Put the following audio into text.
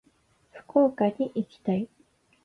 福岡に行きたい。